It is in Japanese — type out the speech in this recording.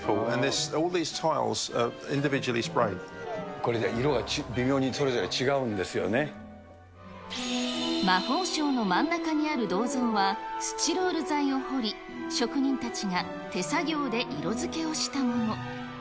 これ色が微妙にそれぞれ違う魔法省の真ん中にある銅像は、スチロール材を彫り、職人たちが手作業で色付けをしたもの。